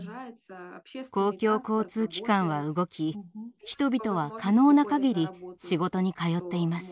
公共交通機関は動き人々は可能なかぎり仕事に通っています。